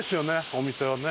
お店はね。